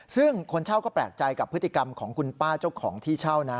ซึ่งคนเช่าก็แปลกใจกับพฤติกรรมของคุณป้าเจ้าของที่เช่านะ